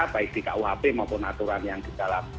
baik di kuhp maupun aturan yang di dalam